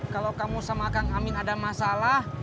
kalau kamu sama kang amin ada masalah